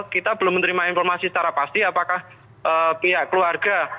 kita belum menerima informasi secara pasti apakah pihak keluarga